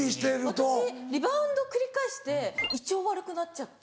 私リバウンド繰り返して胃腸悪くなっちゃって。